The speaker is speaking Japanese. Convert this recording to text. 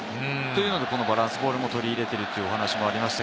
それでバランスボールを取り入れてるという話もありました。